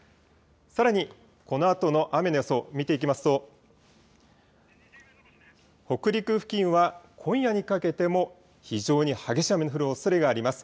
さらにこのあとの雨の予想、見ていきますと北陸付近は今夜にかけても非常に激しい雨の降るおそれがあります。